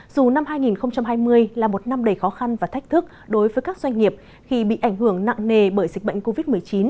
dù năm hai nghìn hai mươi là một năm đầy khó khăn và thách thức đối với các doanh nghiệp khi bị ảnh hưởng nặng nề bởi dịch bệnh covid một mươi chín